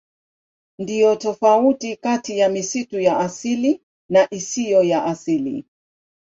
Ndiyo tofauti kati ya misitu ya asili na isiyo ya asili.